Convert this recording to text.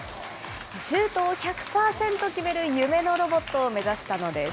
シュートを１００％決める夢のロボットを目指したのです。